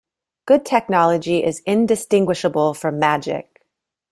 Good technology is indistinguishable from magic.